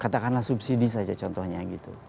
katakanlah subsidi saja contohnya gitu